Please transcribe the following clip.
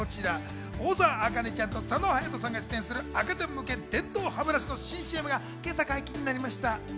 大沢あかねちゃんと佐野勇斗さんが出演する赤ちゃん向け電動歯ブラシの新ＣＭが今朝、解禁になりました。